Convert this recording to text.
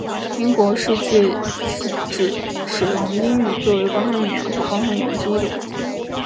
英语世界指使用英语作为官方语言或官方语言之一的国家。